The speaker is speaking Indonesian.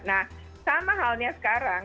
nah sama halnya sekarang